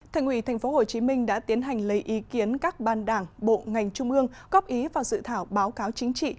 thành ủy tp hcm đã tiến hành lấy ý kiến các ban đảng bộ ngành trung ương góp ý vào dự thảo báo cáo chính trị